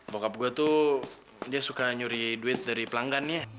bokap gue tuh dia suka nyuri duit dari pelanggannya